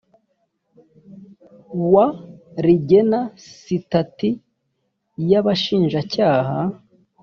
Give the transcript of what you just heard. wa rigena sitati y abashinjacyaha